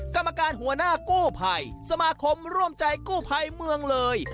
กรรมการหัวหน้ากู้ภัยสมาคมร่วมใจกู้ภัยเมืองเลย